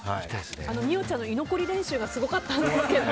美桜ちゃんの居残り練習がすごかったんですけど。